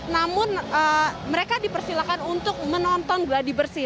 namun mereka dipersilakan untuk menonton geladi bersih